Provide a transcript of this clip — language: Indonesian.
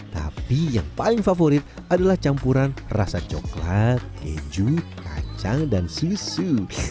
tapi yang paling favorit adalah campuran rasa coklat keju kacang dan susu